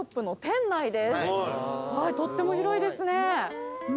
とっても広いですね。